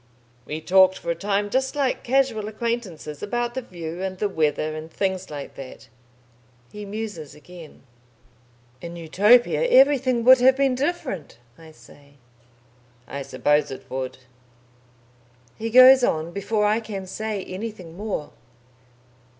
"We talked for a time just like casual acquaintances about the view and the weather, and things like that." He muses again. "In Utopia everything would have been different," I say. "I suppose it would." He goes on before I can say anything more.